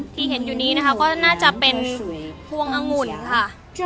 ที่เห็นอยู่นี้นะคะก็น่าจะเป็นพวงองุ่นค่ะ